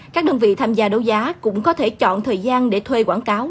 các đơn vị tham gia đấu giá cũng có thể chọn thời gian để thuê quảng cáo